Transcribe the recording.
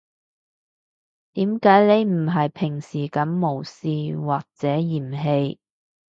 點解你唔係平時噉無視或者嫌棄